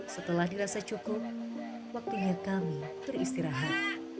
setelah dirasa cukup waktunya kami beristirahat